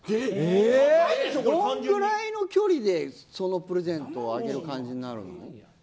どのくらいの距離でそのプレゼントをあげる感じになるの。